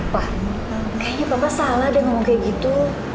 pak kayaknya bapak salah dengan kayak gitu